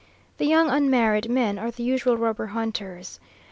The young unmarried men are the usual rubber hunters.